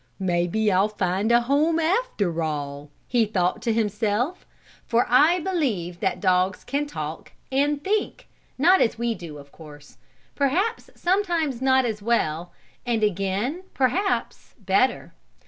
"Maybe I'll find a home after all," he thought to himself, for I believe that dogs can talk and think not as we do, of course; perhaps sometimes not as well, and again, perhaps, better.